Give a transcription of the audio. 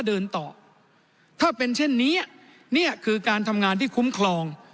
เดินต่อถ้าเป็นเช่นนี้เนี่ยคือการทำงานที่คุ้มครอง